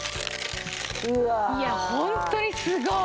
いやホントにすごい。